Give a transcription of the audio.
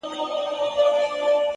علم د حل لارې پیدا کوي!.